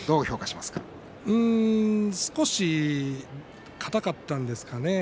少し硬かったんですかね。